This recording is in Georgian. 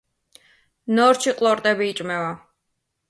ნორჩი ყლორტები იჭმება.